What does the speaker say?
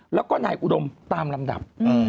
แล้วก็นายอุดมตามลำดับ